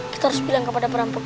kita harus bilang kepada perampok